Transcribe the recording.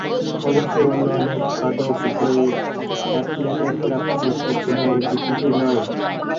অবশ্য অন্য অনেক পদকজয়ী অ্যাথলেটের প্রাপ্ত পুরস্কারের তুলনায় এটি কিছুই নয়।